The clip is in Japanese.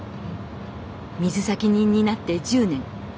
水先人になって１０年。